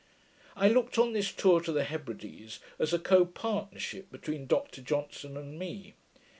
I looked on this tour to the Hebrides as a copartnership between Dr Johnson and me.